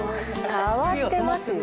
変わってますよ。